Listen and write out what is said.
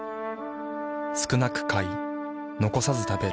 少なく買い残さず食べる。